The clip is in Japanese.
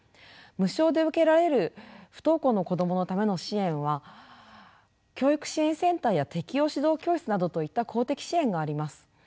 無償で受けられる不登校の子どものための支援は教育支援センターや適応指導教室などといった公的支援があります。